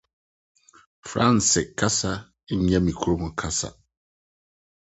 Franse kasa nyɛ me kurom kasa.